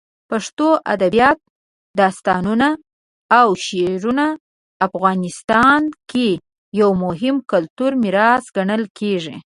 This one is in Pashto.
پښتو ادبیات، داستانونه، او شعرونه افغانستان کې یو مهم کلتوري میراث ګڼل کېږي.